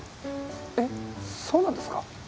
えっそうなんですか？